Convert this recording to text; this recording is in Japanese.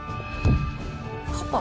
パパ？